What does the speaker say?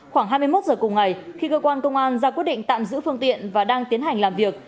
khoảng hai mươi một giờ cùng ngày khi cơ quan công an ra quyết định tạm giữ phương tiện và đang tiến hành làm việc